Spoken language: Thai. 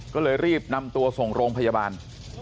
ก็เลยรีบนำตัวส่งโรงพยาบาล